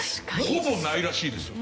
ほぼないらしいです。